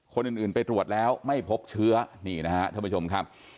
คนอื่นไปตรวจแล้วไม่พบเชื้อนี่นะครับท่านผู้ชมครับ